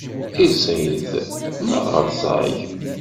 Iziḍ neɣ rẓag?